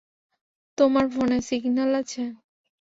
তোমার ফোনে সিগন্যাল আছে?